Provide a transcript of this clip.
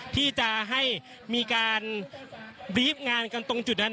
ที่จะให้มีการบีฟงานกันตรงจุดนั้น